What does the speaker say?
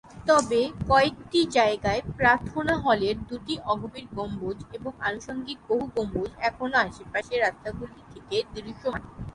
তবে কয়েকটি জায়গায় প্রার্থনা হলের দুটি অগভীর গম্বুজ এবং আনুষঙ্গিক বহু গম্বুজ এখনও আশেপাশের রাস্তাগুলি থেকে দৃশ্যমান।